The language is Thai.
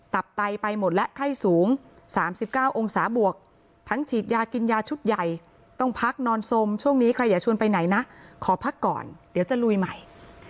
ไตไปหมดและไข้สูง๓๙องศาบวกทั้งฉีดยากินยาชุดใหญ่ต้องพักนอนสมช่วงนี้ใครอยากชวนไปไหนนะขอพักก่อนเดี๋ยวจะลุยใหม่